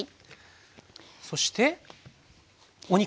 そしてお肉。